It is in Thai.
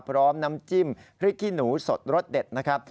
พร้อมน้ำจิ้มพริกขี้หนูสดรสเด็ดนะครับ